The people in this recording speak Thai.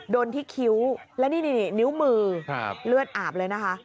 โดนที่คิ้วและนี่นิ้วมือเลือดอาบเลยนะคะ